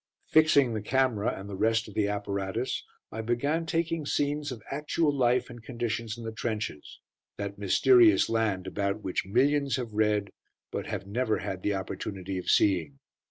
Fixing the camera, and the rest of the apparatus, I began taking scenes of actual life and conditions in the trenches that mysterious land about which millions have read but have never had the opportunity of seeing.